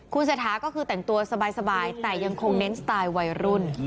คุณเศรษฐาก็คือแต่งตัวสบายแต่ยังคงเน้นสไตล์วัยรุ่น